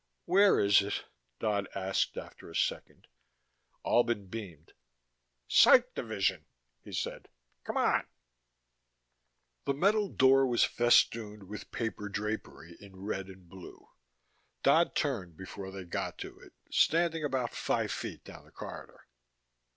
"Where is it?" Dodd asked after a second. Albin beamed. "Psych division," he said. "Come on." The metal door was festooned with paper drapery in red and blue. Dodd turned before they got to it, standing about five feet down the corridor.